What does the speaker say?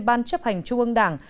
ban chấp hành trung ương đảng